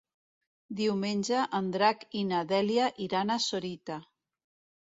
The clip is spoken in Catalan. Diumenge en Drac i na Dèlia iran a Sorita.